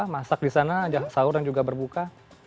masak di sana ada sahur yang juga berbuka